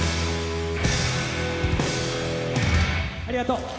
ありがとう。